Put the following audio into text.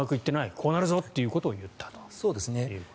こうなるぞということを言ったと。